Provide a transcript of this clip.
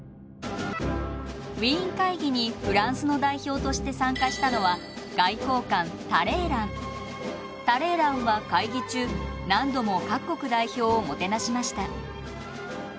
ウィーン会議にフランスの代表として参加したのはタレーランは会議中何度も各国代表をもてなしました。